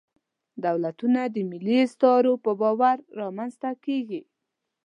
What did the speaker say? دولتونه د ملي اسطورو په باور رامنځ ته کېږي.